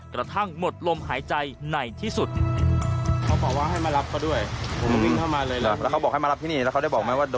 กระทั่งหมดลมหายใจไหนที่สุด